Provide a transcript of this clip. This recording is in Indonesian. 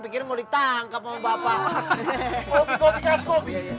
pikir mau ditangkap sama bapak